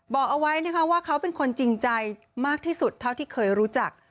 บอกเอาไว้นะคะว่าเขาเป็นคนจริงใจมากที่สุดเท่าที่เคยรู้จัก